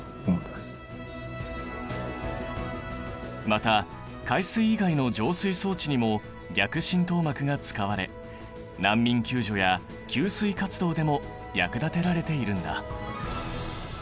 また海水以外の浄水装置にも逆浸透膜が使われ難民救助や給水活動でも役立てられているんだ。